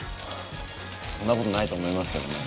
そんなことないと思いますけどね。